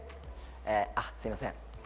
あっ、すみません。